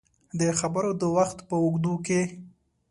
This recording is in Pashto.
د خبرو د وخت په اوږدو کې